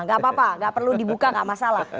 gak apa apa gak perlu dibuka gak masalah